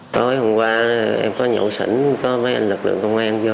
tối hôm qua em có nhậu sỉnh có mấy anh lực lượng công an vô